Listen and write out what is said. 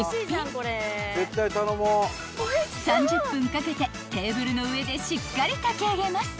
［３０分かけてテーブルの上でしっかり炊き上げます］